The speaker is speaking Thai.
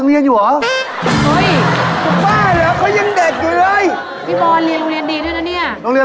โอ้โฮเดือนละแสนสองพระเจ้า